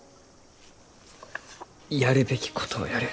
やるべきことをやる。